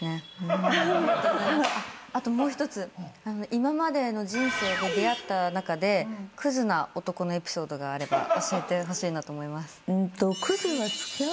今までの人生で出会った中でくずな男のエピソードがあれば教えてほしいなと思います。